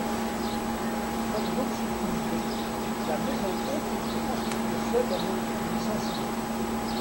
Faute d'objectivité, la mésentente ne peut constituer seule un motif de licenciement.